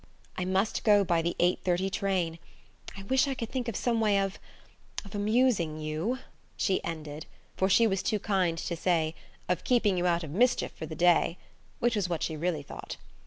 "I must go by the eight thirty train. I wish I could think of some way of–of amusing you," she ended, for she was too kind to say "of keeping you out of mischief for the day," which was what she really thought.